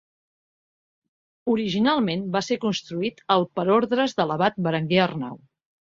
Originalment va ser construït el per ordres de l'abat Berenguer Arnau.